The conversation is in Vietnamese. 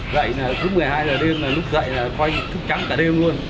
dậy là thứ một mươi hai giờ đêm lúc dậy là khoanh thức trắng cả đêm luôn